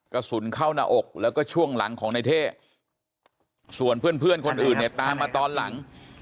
กระสุนเข้าหน้าอกแล้วก็ช่วงหลังของในเท่ส่วนเพื่อนคนอื่นเนี่ยตามมาตอนหลัง